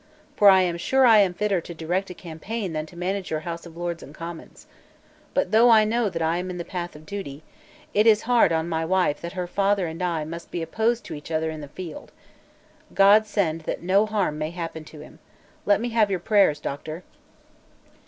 For I am sure I am fitter to direct a campaign than to manage your House of Lords and Commons. But, though I know that I am in the path of duty, it is hard on my wife that her father and I must be opposed to each other in the field. God send that no harm may happen to him. Let me have your prayers, Doctor."